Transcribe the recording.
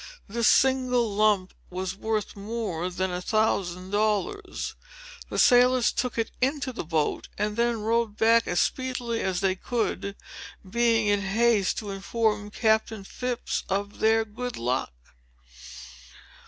That single lump was worth more than a thousand dollars. The sailors took it into the boat, and then rowed back as speedily as they could, being in haste to inform Captain Phips of their good luck.